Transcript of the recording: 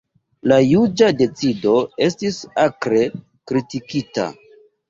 La juĝa decido estis akre kritikita.